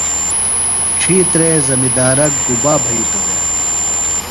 ڇھیترےۡ زمندارہ گُبا بھیتوۡ دےۡ؟